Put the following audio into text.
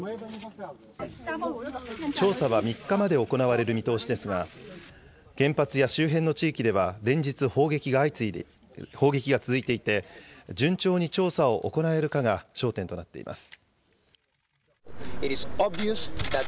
調査は３日まで行われる見通しですが、原発や周辺の地域では連日、砲撃が続いていて、順調に調査を行えるかが焦点となっています。